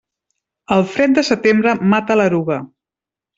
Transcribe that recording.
El fred de setembre mata l'eruga.